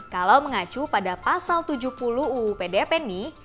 kalau mengacu pada pasal tujuh puluh uu pdp nih